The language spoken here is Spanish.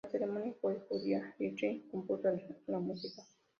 La ceremonia fue judía y Richard compuso la música.